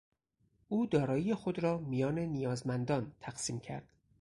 او دارایی خود را میان نیازمندان تقسیم کرد.